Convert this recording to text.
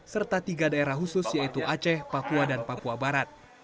serta tiga daerah khusus yaitu aceh papua dan papua barat